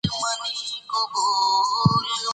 سرحدونه د افغانستان د اقلیم ځانګړتیا ده.